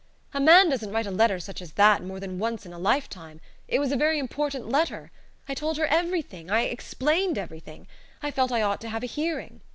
"A man doesn't write a letter such as that more than once in a lifetime. It was a very important letter. I told her everything. I explained everything. I felt I ought to have a hearing.